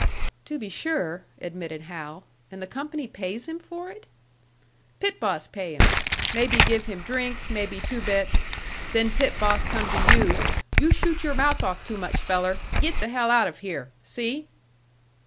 "To be sure," admitted Hal. "And the company pays him for it?" "Pit boss pay him. Maybe give him drink, maybe two bits. Then pit boss come to you: 'You shoot your mouth off too much, feller. Git the hell out of here!' See?"